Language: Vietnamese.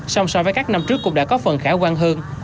song so với các năm trước cũng đã có phần khả quan hơn